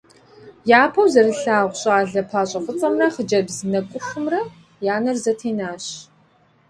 Япэу зэрылъагъу щӏалэ пащӏэфӏыцӏэмрэ хъыджэбз нэкӏухумрэ я нэр зэтенащ.